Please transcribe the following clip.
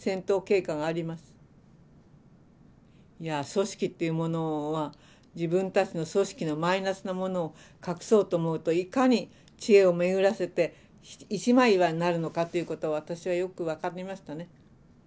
組織っていうものは自分たちの組織のマイナスなものを隠そうと思うといかに知恵を巡らせて一枚岩になるのかということを私はよく分かりましたね。